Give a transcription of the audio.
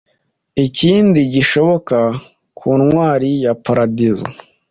Ikindi gishoboka ku ntwari ya Paradizo